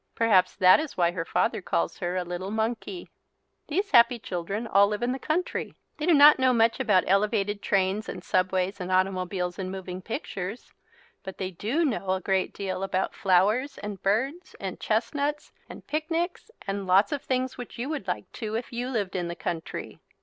Perhaps that is why her father calls her a "little monkey." These happy children all live in the country. They do not know much about elevated trains and subways and automobiles and moving pictures but they do know a great deal about flowers and birds and chestnuts and picnics and lots of things which you would like too, if you lived in the country.